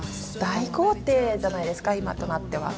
大豪邸じゃないですか今となっては。